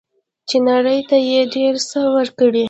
چې نړۍ ته یې ډیر څه ورکړي.